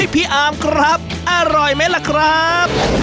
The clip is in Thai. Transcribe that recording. พี่อาร์มครับอร่อยไหมล่ะครับ